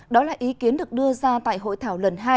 đó là ý kiến được đưa ra tại hội thảo lần hai